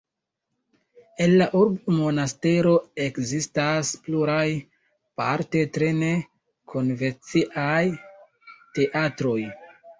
En la urbo Monastero ekzistas pluraj, parte tre ne-konvenciaj, teatroj.